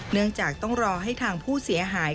เนื่องจากต้องรอให้ทางผู้เสียหาย